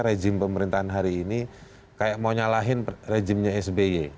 rezim pemerintahan hari ini kayak mau nyalahin rezimnya sby